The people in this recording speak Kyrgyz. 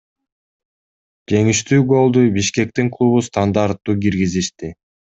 Жеңиштүү голду Бишкектин клубу стандарттуу киргизишти.